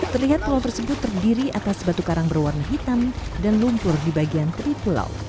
terlihat pulau tersebut terdiri atas batu karang berwarna hitam dan lumpur di bagian teri pulau